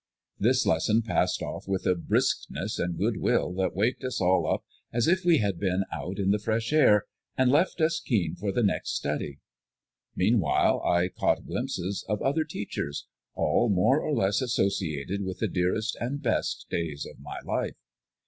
This lesson passed off with a briskness and good will that waked us all up as if we had been out in the fresh air, and left us keen for the next study. Meanwhile I caught glimpses of other teachers, all more or less associated with the dearest and best days of my life.